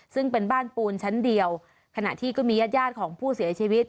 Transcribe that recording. ซึ่งเป็นบ้านปูนชั้นเดียวขณะที่ก็มีญาติญาติของผู้เสียชีวิต